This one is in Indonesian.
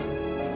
tidak di beckham